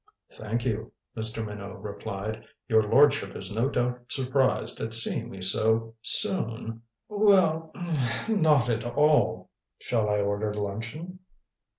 "Thank you," Mr. Minot replied. "Your lordship is no doubt surprised at seeing me so soon " "Well er not at all. Shall I order luncheon?"